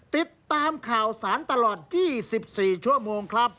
ติดตามข่าวสารตลอด๒๔ชั่วโมงครับ